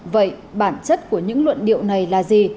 vậy bản chất của những luận điệu này là gì